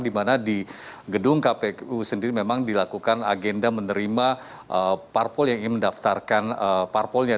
di mana di gedung kpu sendiri memang dilakukan agenda menerima parpol yang ingin mendaftarkan parpolnya